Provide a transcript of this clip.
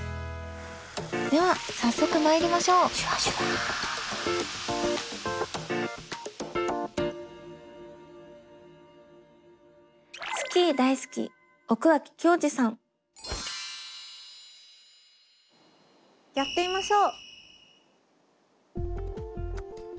では早速まいりましょうやってみましょう。